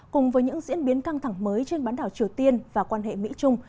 cùng với những diễn biến căng thẳng mới trên bán đảo triều tiên và quan hệ mỹ trung